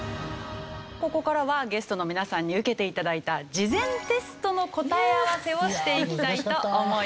ここからはゲストの皆さんに受けて頂いた事前テストの答え合わせをしていきたいと思います。